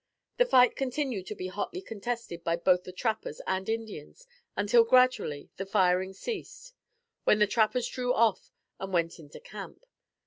The fight continued to be hotly contested by both the trappers and Indians until, gradually, the firing ceased, when the trappers drew off and went into camp.